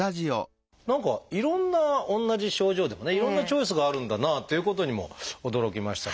何かいろんな同じ症状でもねいろんなチョイスがあるんだなということにも驚きましたし。